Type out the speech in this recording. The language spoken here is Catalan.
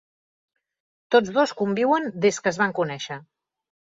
Tots dos conviuen des que es van conèixer.